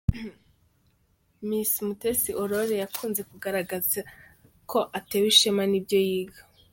Miss Mutesi Aurore yakunze kugaragaza ko atewe ishema n’ibyo yiga.